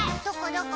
どこ？